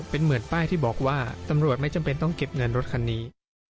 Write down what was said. เป็นเหมือนป้ายที่บอกว่าตำรวจไม่จำเป็นต้องเก็บเงินรถคันนี้